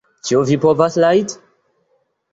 Ĉu vi povas rajdi?